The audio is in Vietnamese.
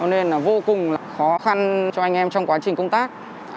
nên là vô cùng khó khăn cho anh em trong quá trình công tác